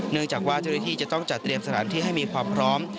จากว่าเจ้าหน้าที่จะต้องจัดเตรียมสถานที่ให้มีความพร้อม